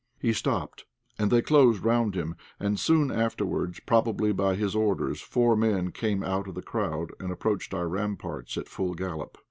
He stopped, and they closed round him, and soon afterwards, probably by his orders, four men came out of the crowd, and approached our ramparts at full gallop.